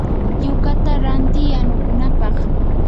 yukata ranti yanukunapaq.